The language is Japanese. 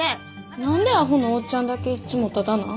何でアホのおっちゃんだけいつもタダなん？